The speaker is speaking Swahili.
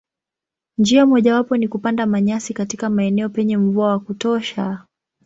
Njia mojawapo ni kupanda manyasi katika maeneo penye mvua wa kutosha.